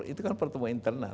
itu kan pertemuan internal